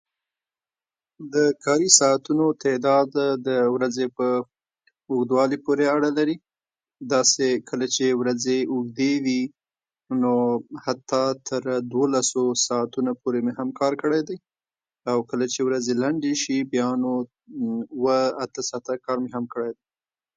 د کاري ساعتونو تعداد د ورځې په اوږدوالي پورې اړه لري، داسې کله چې ورځې اوږدې وي نو حتا تر دوولسو ساعتونو پورې مې هم کار کړی دی او کله چې ورځې لنډې شي بیا نو اووه اته ساعته کار مې هم کړی دی.